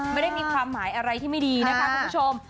ไม่ได้มีความหมายอะไรที่ไม่ดีนะคะคุณผู้ชม